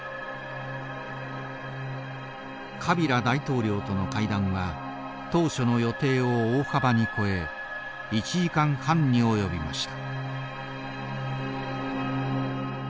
カビラ大統領との会談は当初の予定を大幅に超え１時間半に及びました。